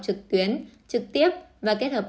trực tuyến trực tiếp và kết hợp